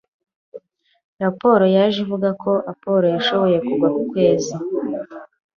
Raporo yaje ivuga ko Apollo yashoboye kugwa ku kwezi.